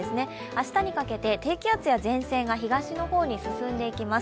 明日にかけて低気圧や前線が東の方に進んでいきます。